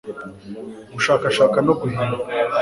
gushakashaka no guhimba